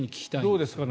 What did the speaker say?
どうですか？